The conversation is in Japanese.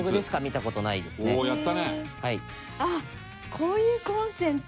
こういうコンセント。